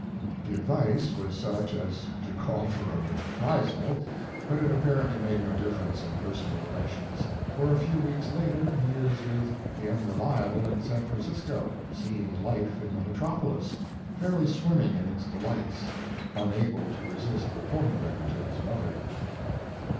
The advice was such as to call for a reprisal, but it apparently made no difference in personal relations, for a few weeks later he is with The Unreliable in San Francisco, seeing life in the metropolis, fairly swimming in its delights, unable to resist reporting them to his mother.